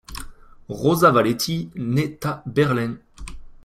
Rosa Valetti naît à Berlin.